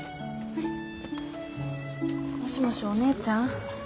もしもしお姉ちゃん？